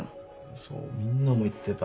そうみんなも言ってた。